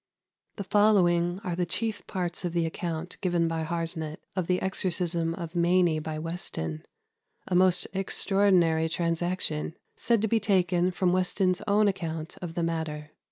] The following are the chief parts of the account given by Harsnet of the exorcism of Mainy by Weston a most extraordinary transaction, said to be taken from Weston's own account of the matter.